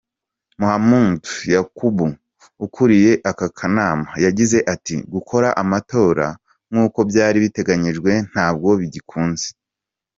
Mahmood Yakubu, ukuriye aka kanama, yagize ati: "Gukora amatora nkuko byari biteganyijwe ntabwo bigikunze".